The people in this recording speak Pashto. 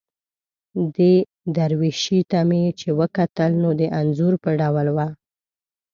دې درویشي ته مې چې وکتل، نو د انځور په ډول وه.